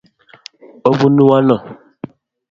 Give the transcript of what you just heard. obunu ano